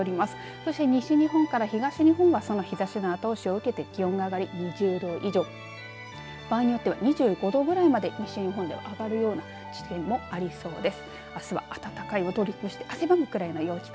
そして西日本から東日本は日ざしの後押しを受けて気温が上がり２０度以上場合によっては２５度ぐらいまで西日本では上がる地点もありそうです。